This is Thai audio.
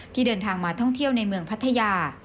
เดินทางมาท่องเที่ยวในเมืองพัทยา